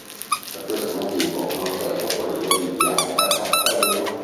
Per questo motivo, hanno scelto quello di Bianca Cappello.